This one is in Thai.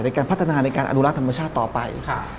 ในการพัฒนาในการอนุรักษ์ธรรมชาติต่อไป